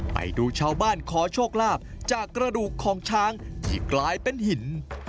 ไปดูชาวบ้านขอโชคลาภจากกระดูกของช้างที่กลายเป็นหิน